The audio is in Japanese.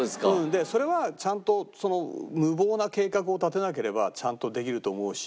でそれはちゃんと無謀な計画を立てなければちゃんとできると思うし。